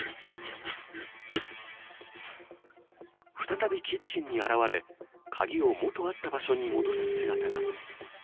再びキッチンに現れ、鍵を元あった場所に戻す姿が。